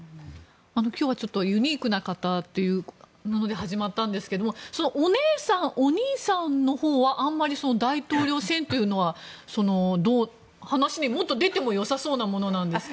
今日はちょっとユニークな方ということで始まったんですがお姉さん、お兄さんのほうはあまり大統領選というのはもっと話に出てもよさそうなんですが。